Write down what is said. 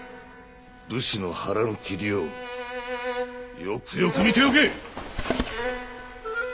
武士の腹の切りようよくよく見ておけ！